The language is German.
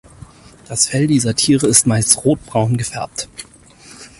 Das Fell dieser Tiere ist meist rotbraun gefärbt.